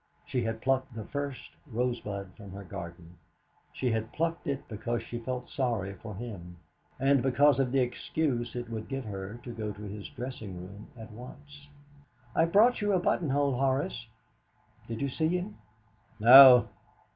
She had plucked the first rosebud from her garden; she had plucked it because she felt sorry for him, and because of the excuse it would give her to go to his dressing room at once. "I've brought you a buttonhole, Horace. Did you see him?" "No."